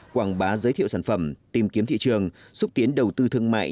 quảng bá giới thiệu sản phẩm tìm kiếm thị trường xúc tiến đầu tư thương mại